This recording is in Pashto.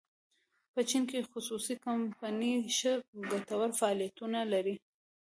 په چین کې خصوصي کمپنۍ ښه ګټور فعالیتونه لري.